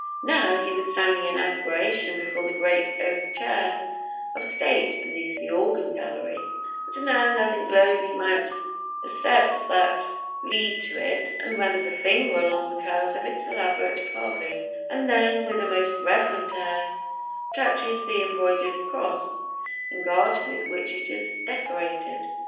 Now he was standing in admiration before the great oak chair of State beneath the organ gallery, and now nothing loath he mounts the steps that lead to it and runs a finger along the curves of its elaborate carving, and then, with a most reverent air, touches the embroidered cross and garter with which it is decorated.